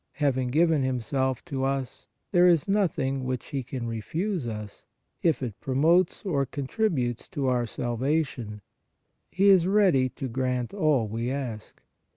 Having given Himself to us, there is nothing which He can re fuse us, if it promotes or contributes to our salva tion; He is ready to grant all we ask.